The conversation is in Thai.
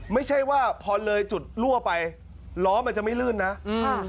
ไม่ใช่ว่าพอเลยจุดรั่วไปล้อมันจะไม่ลื่นนะอืม